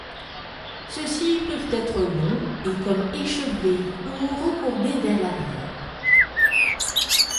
Ceux-ci peuvent être longs et comme échevelés, ou recourbés vers l'arrière.